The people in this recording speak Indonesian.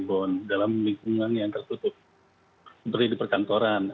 bergejala atau mengeluarkan virus